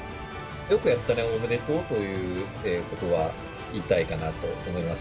よくやったね、おめでとうということばを言いたいかなと思います。